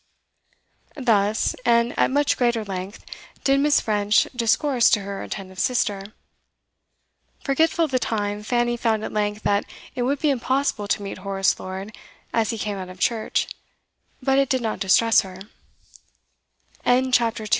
Thus, and at much greater length, did Miss. French discourse to her attentive sister. Forgetful of the time, Fanny found at length that it would be impossible to meet Horace Lord as he came out of church; but it did not distress